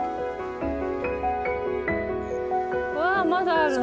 わあまだあるの？